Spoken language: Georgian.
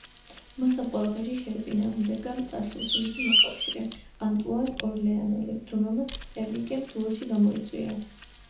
მას ამ ყველაფერში შეეწინააღმდეგა წარსულში მისი მოკავშირე ანტუან ორლეანელი, რომელმაც ენრიკე დუელში გამოიწვია.